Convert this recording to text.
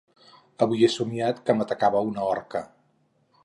Avui he somiat que m'atacava una orca.